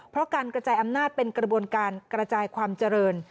เพราะการกระจายอำนาจเป็นกระบวนการกระจายความเจริญ